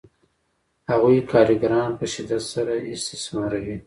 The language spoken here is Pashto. هغوی کارګران په شدت سره استثماروي